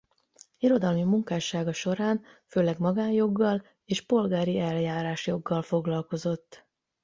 Irodalmi munkássága során főleg magánjoggal és polgári eljárásjoggal foglalkozott.